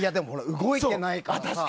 動いてないから。